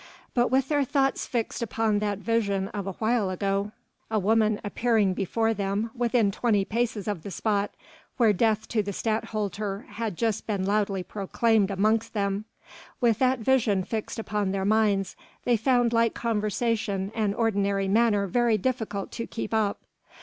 But with their thoughts fixed upon that vision of awhile ago a woman appearing before them within twenty paces of the spot where death to the Stadtholder had just been loudly proclaimed amongst them with that vision fixed upon their minds, they found light conversation and ordinary manner very difficult to keep up.